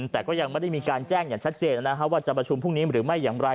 แต่ก็ยังไม่ได้มีการแจ้งอย่างชัดเจนว่าจะประชุมพรุ่งนี้หรือไม่อย่างไร